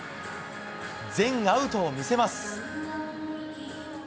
全アウトを見せます。